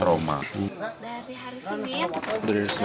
dari hari senin dari pas kejadian